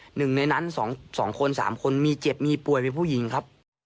หนึ่งในนั้น๒คน๓คนมีเจ็บมีป่วยเป็นผู้หญิงครับ